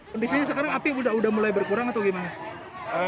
kondisinya sekarang api sudah mulai berkurang atau gimana